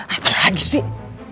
apa lagi sih